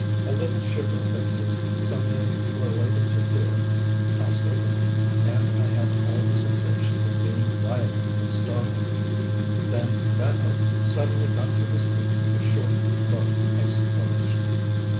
A little shiver that was some way related to fear passed over me, and I had all the sensations of being violently startled. Then Van Hope suddenly got to his feet with a short, low exclamation.